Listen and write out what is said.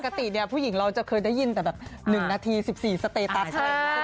ปกติเนี่ยผู้หญิงเราจะเคยได้ยินแต่แบบ๑นาที๑๔สเตตัส